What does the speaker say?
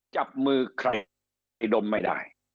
จับมือใครไอ้ดมไม่ได้